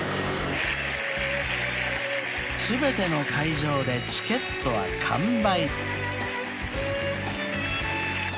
［全ての会場でチケットは完売］